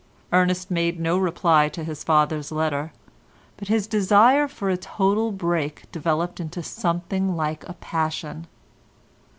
Ernest made no reply to his father's letter, but his desire for a total break developed into something like a passion.